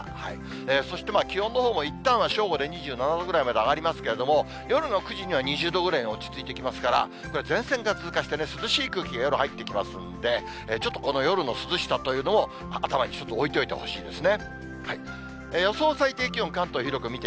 そして、気温のほうもいったんは正午で２７度ぐらいまで上がりますけれども、夜の９時には２０度ぐらいに落ち着いてきますから、これ、前線が通過して、涼しい空気が夜、入ってきますんで、ちょっとこの夜の涼しさというのも頭に一つ置いておいてほしいですね。